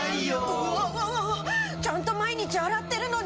うわわわわちゃんと毎日洗ってるのに。